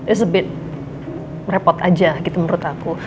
it's a bit repot aja gitu menurut aku